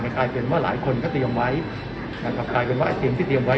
มันกลายเป็นว่าหลายคนก็เตรียมไว้นะครับรียกว่าไอ้เตียงที่เตรียมไว้